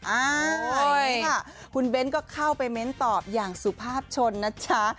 อันนี้ค่ะคุณเบ้นก็เข้าไปเม้นตอบอย่างสุภาพชนนะจ๊ะ